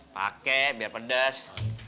pake biar pedes